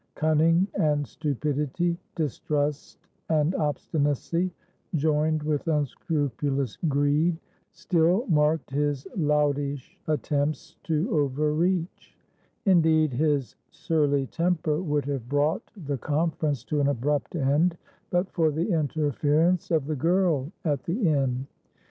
Cunning and stupidity, distrust and obstinacy, joined with unscrupulous greed, still marked his loutish attempts to overreach. Indeed, his surly temper would have brought the conference to an abrupt end but for the interference of the girl at the inn.